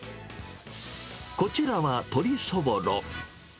こちらは鶏そぼろ。